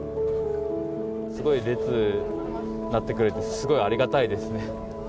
すごい列になってくれてすごいありがたいですね。